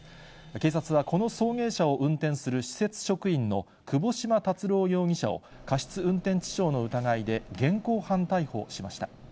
警察はこの送迎車を運転する施設職員の窪島達郎容疑者を過失運転致傷の疑いで、現行犯逮捕しました。